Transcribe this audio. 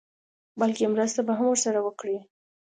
بلکې مرسته به هم ورسره وکړي.